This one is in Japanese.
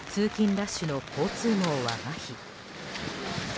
ラッシュの交通網はまひ。